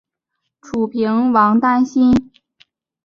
楚平王担心。